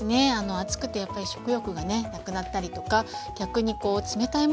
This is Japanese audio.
暑くてやっぱり食欲がねなくなったりとか逆にこう冷たいものをね